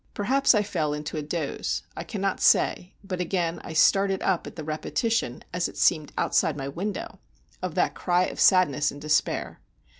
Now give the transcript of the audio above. Perhaps I fell into a doze—I cannot say; but again I started up at the repetition, as it seemed outside my window, of that cry of sadness and despair.